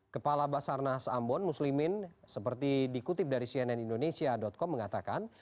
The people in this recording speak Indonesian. kepala basarnas ambon muslimin seperti dikutip dari cnn indonesia com mengatakan